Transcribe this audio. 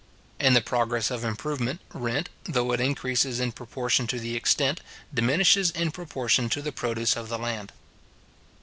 In the progress of improvement, rent, though it increases in proportion to the extent, diminishes in proportion to the produce of the land.